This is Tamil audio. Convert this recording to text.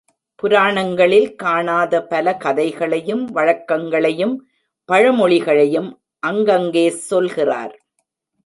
புராணங்களில் காணாத பலகதைகளையும் வழக்கங்களையும் பழமொழிகளையும் அங்கங்கே சொல்கிறார்.